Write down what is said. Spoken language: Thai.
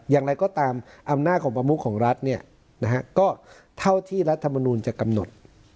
อย่างไรก็ตามอำนาจของประมุขของรัฐเนี่ยนะฮะก็เท่าที่รัฐธรรมนุนจะกำหนด